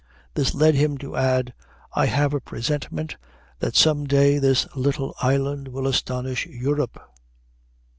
This led him to add: "I have a presentiment that some day this little island will astonish Europe."